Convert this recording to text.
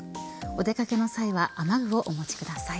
お出掛けの際は雨具をお持ちください。